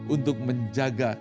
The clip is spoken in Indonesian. untuk menjaga kemampuan